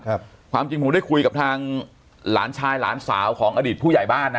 ความจริงผมได้คุยกับทางหลานชายหลานสาวของอดีตผู้ใหญ่บ้านนะ